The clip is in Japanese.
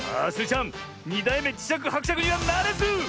ちゃん２だいめじしゃくはくしゃくにはならず！